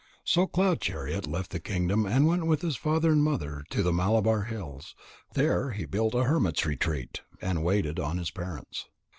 So Cloud chariot left the kingdom and went with his father and mother to the Malabar hills. There he built a hermit's retreat, and waited on his parents.